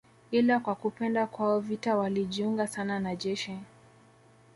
Ila kwa kupenda kwao vita walijiunga sana na jeshi